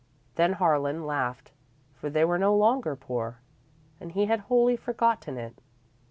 Then Harlan laughed, for they were no longer poor, and he had wholly forgotten it.